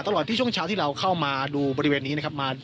ตลอดที่ช่วงเช้าที่เราเข้ามาดูบริเวณนี้นะครับ